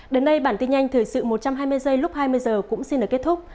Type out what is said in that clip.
đến đây bản tin nhanh thời sự một trăm hai mươi giây lúc hai mươi h cũng xin được kết thúc